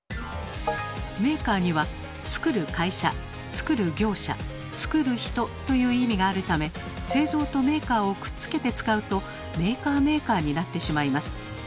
「メーカー」には「作る会社作る業者作る人」という意味があるため「製造」と「メーカー」をくっつけて使うと「メーカーメーカー」になってしまいます。